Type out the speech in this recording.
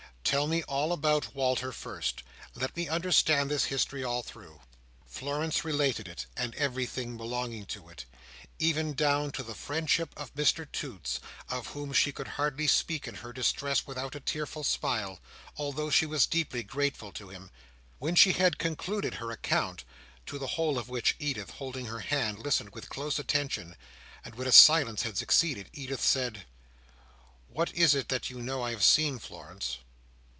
"Tell me all about Walter first; let me understand this history all through." Florence related it, and everything belonging to it, even down to the friendship of Mr Toots, of whom she could hardly speak in her distress without a tearful smile, although she was deeply grateful to him. When she had concluded her account, to the whole of which Edith, holding her hand, listened with close attention, and when a silence had succeeded, Edith said: "What is it that you know I have seen, Florence?"